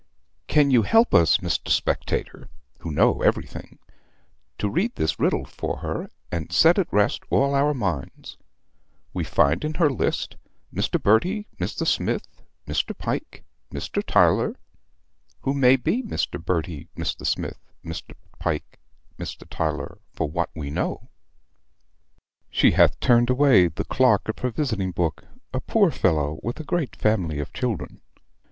Can you help us, Mr. Spectator, who know everything, to read this riddle for her, and set at rest all our minds? We find in her list, Mr. Berty, Mr. Smith, Mr. Pike, Mr. Tyler who may be Mr. Bertie, Mr. Smyth, Mr. Pyke, Mr. Tiler, for what we know. She hath turned away the clerk of her visiting book, a poor fellow with a great family of children.